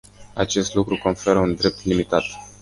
Acest lucru conferă un drept limitat.